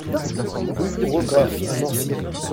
Rue Raugraff à Nancy